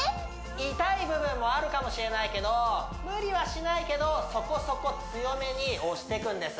痛い部分もあるかもしれないけど無理はしないけどそこそこ強めに押してくんです